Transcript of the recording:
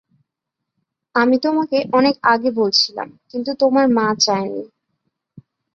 আমি তোমাকে অনেক আগে বলছিলাম, কিন্তু তোমার মা চায়নি।